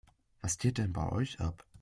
Was geht denn bei euch ab?